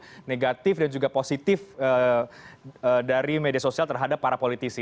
iya ada tone negatif dan juga positif dari media sosial terhadap para politisi